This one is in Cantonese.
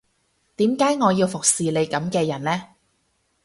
點解我要服侍你噉嘅人呢